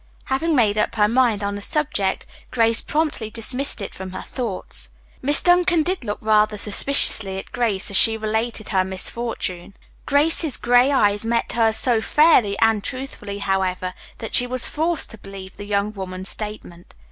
Having made up her mind on the subject Grace promptly dismissed it from her thoughts. Miss Duncan did look rather suspiciously at Grace as she related her misfortune. Grace's gray eyes met hers so fairly and truthfully, however, that she was forced to believe the young woman's statement.